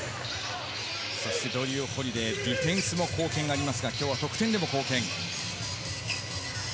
そしてホリデイ、ディフェンスにも貢献がありますが今日は得点でも貢献。